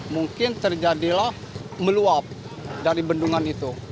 mungkin terjadilah meluap dari bendungan itu